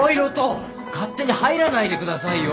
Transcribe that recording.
勝手に入らないでくださいよ！